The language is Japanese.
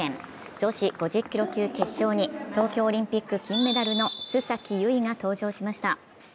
女子５０キロ級決勝に東京オリンピック金メダルの須崎優衣が登場しました。